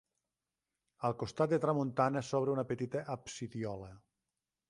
Al costat de tramuntana s'obre una petita absidiola.